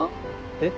えっ？